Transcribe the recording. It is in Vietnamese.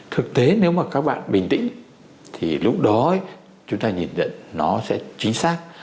thực tế nếu mà các bạn bình tĩnh thì lúc đó chúng ta nhìn nhận nó sẽ chính xác